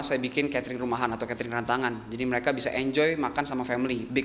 saya bikin catering rumahan atau catering rantangan jadi mereka bisa enjoy makan sama family big